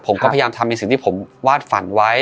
ผมก็พยายามทำในสิ่งที่ผมวาดฝันไว้